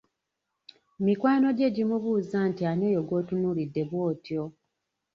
Mikwano gye gimubuuza nti ani oyo gw’otunuulidde bw’otyo?